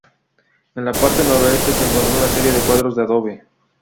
En la parte noreste se encontró una serie de cuartos de adobe.